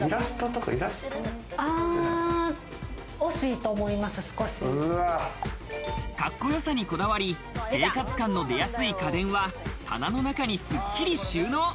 かっこよさにこだわり、生活感の出やすい家電は棚の中にすっきり収納。